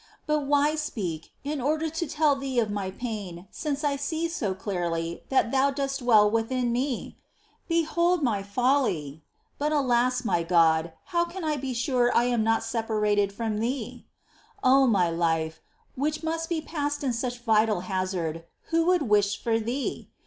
But why speak, in order to tell Thee of my pain, since I see so clearly that Thou dost dwell within me ? Behold my folly ! But alas, my God, how can I be sure I am not separated from Thee ? 3. Oh, my life ! which must be passed in such vital hazard, who would wish for thee